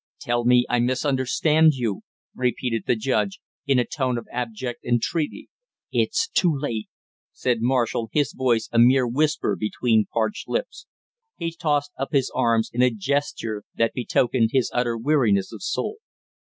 "Tell me I misunderstand you!" repeated the judge, in a tone of abject entreaty. "It's too late!" said Marshall, his voice a mere whisper between parched lips. He tossed up his arms in a gesture that betokened his utter weariness of soul.